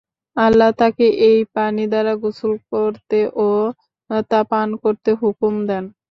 আল্লাহ তাঁকে এই পানি দ্বারা গোসল করতে ও তা পান করতে হুকুম দেন।